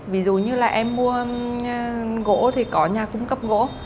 ví dụ như là em mua gỗ thì có nhà cung cấp gỗ